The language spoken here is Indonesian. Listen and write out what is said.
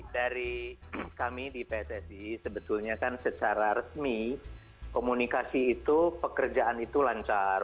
dari kami di pssi sebetulnya kan secara resmi komunikasi itu pekerjaan itu lancar